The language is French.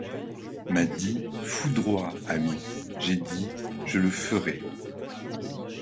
M'a dit : Foudroie, ami ! j'ai dit Je le ferai.